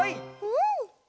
うん。